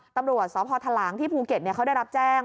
ตำรวจสพทหลางที่ภูเก็ตเขาได้รับแจ้ง